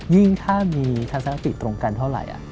ยิ่งถ้ามีทัศนติตรงกันเท่าไหร่